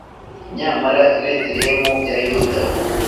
nyamara i betelehemu ya yuda